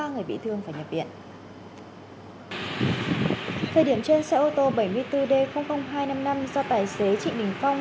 ba người bị thương phải nhập viện thời điểm trên xe ô tô bảy mươi bốn d hai trăm năm mươi năm do tài xế trịnh bình phong